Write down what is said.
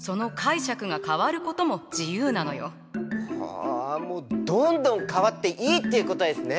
あどんどん変わっていいっていうことですね。